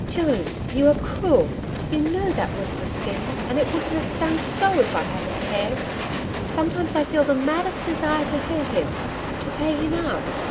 'Joan, you are cruel! You know that was the sting! And it wouldn't have stung so if I hadn't cared. Sometimes I feel the maddest desire to hurt him to pay him out.